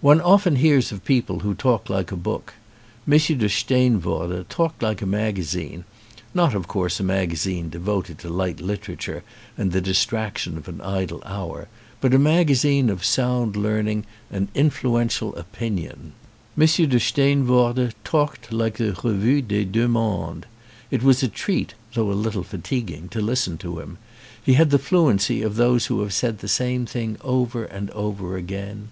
One often hears of people who talk like a book. M. de Steenvoorde talked like a magazine, not of course a magazine devoted to light literature and the distraction of an idle hour, but a magazine of sound learning and influential opinion. M. de Steenvoorde talked like the Revue des Deux Mondes. It was a treat, though a little fatiguing, to listen to him. He had the fluency of those who have said the same thing over and over again.